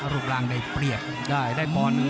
อรุกรางได้เปรียบได้ได้ปอนด์หนึ่งด้วย